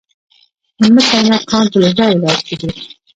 د مس عینک کان په لوګر ولایت کې دی.